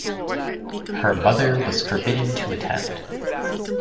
Her mother was forbidden to attend.